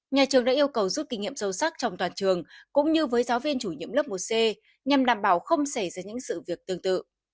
nhà trường đã yêu cầu rút kinh nghiệm sâu sắc trong toàn trường cũng như với giáo viên chủ nhiệm lớp một c nhằm đảm bảo không xảy ra những sự việc tương tự